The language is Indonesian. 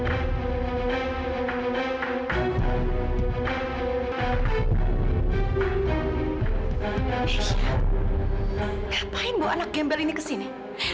apaan bu anak gembel ini kesini